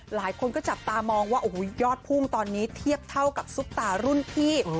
หลายคนก็จับตามองว่าโอ้โหยอดพุ่งตอนนี้เทียบเท่ากับซุปตารุ่นพี่